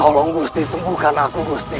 tolong gusti sembuhkan aku gusti